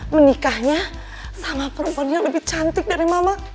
menikahnya sama perempuan yang lebih cantik dari mama